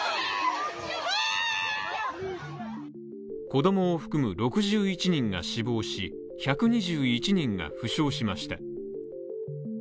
子供を含む６１人が死亡し１２１人が負傷しました。